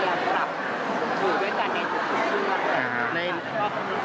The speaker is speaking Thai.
คนหนึ่งปรับตัวอยู่แค่คนเดียว